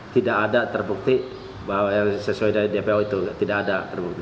tidak ada terbukti bahwa sesuai dari dpo itu tidak ada